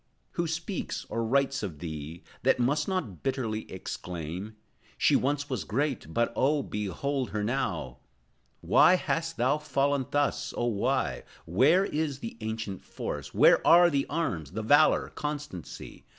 Who speaks, or writes of thee, That must not bitterly exclaim: "She once was great, but, oh, behold her now"? Why hast thou fallen thus, oh, why? Where is the ancient force? Where are the arms, the valor, constancy?